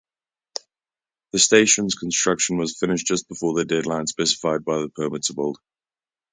The station's construction was finished just before the deadline specified by the permit-to-build.